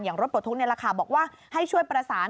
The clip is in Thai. อย่างรถปลดทุกข์ในราคาบอกว่าให้ช่วยประสาน